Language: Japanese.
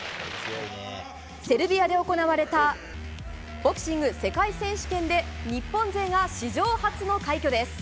セルビアで行われたボクシング世界選手権で日本勢が史上初の快挙です。